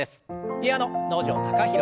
ピアノ能條貴大さん。